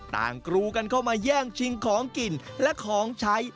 กรูกันเข้ามาแย่งชิงของกินและของใช้